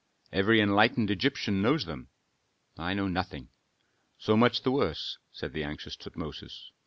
Every enlightened Egyptian knows them." "I know nothing." "So much the worse," said the anxious Tutmosis.